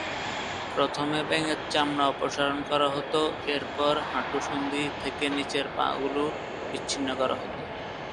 প্রথমে ব্যাঙের পায়ের চামড়া অপসারণ করা হত, এরপর হাঁটু সন্ধি থেকে নিচের পা গুলো বিচ্ছিন্ন করা হত।